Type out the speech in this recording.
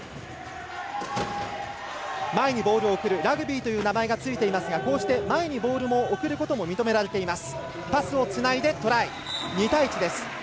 ラグビーという名前がついていますがこうして、前にボールを送ることも認められています。